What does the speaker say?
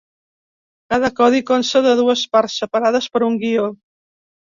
Cada codi consta de dues parts, separades per un guió.